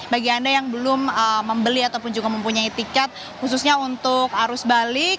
bagi anda yang belum membeli ataupun juga mempunyai tiket khususnya untuk arus balik